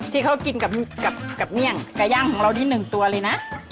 ที่เขากินกับเมี่ยงไก่ย่างของเรานี่๑ตัวเลยนะ